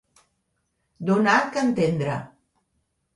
Donar que entendre.